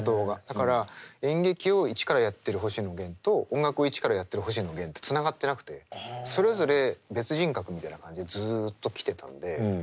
だから演劇を一からやってる星野源と音楽を一からやってる星野源ってつながってなくてそれぞれ別人格みたいな感じでずっと来てたんで。